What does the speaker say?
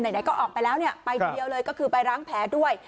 ไหนก็ออกไปแล้วเนี่ยไปทีเดียวเลยก็คือไปล้างแผลด้วย